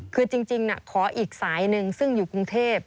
คือจริงขออีกสายหนึ่งซึ่งอยู่กรุงเทพ